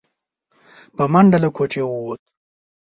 په منډه له کوټې ووت.